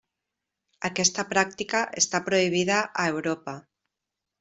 Aquesta pràctica està prohibida a Europa.